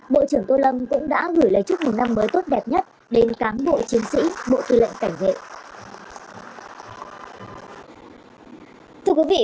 bộ trưởng tô lâm cũng đã gửi lời chúc một năm mới tốt đẹp nhất đến cán bộ chiến sĩ bộ tư lệnh cảnh vệ